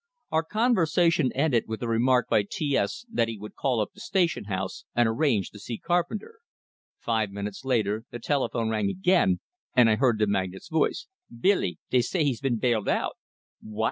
Our conversation ended with the remark by T S that he would call up the station house and arrange to see Carpenter. Five minutes later the telephone rang again, and I heard the magnate's voice: "Billy, dey say he's been bailed out!" "What?"